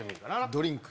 ドリンク。